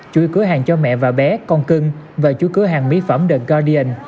chuối cửa hàng cho mẹ và bé con cưng và chuối cửa hàng mỹ phẩm the guardian